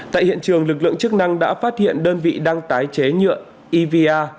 tại hiện trường lực lượng chức năng đã phát hiện đơn vị đang tái chế nhựa eva